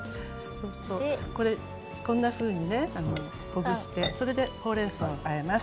こんなふうに、ほぐしてほうれんそうをあえます。